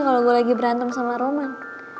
kalo gua lagi berantem sama roman